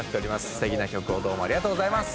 素敵な曲をどうもありがとうございます！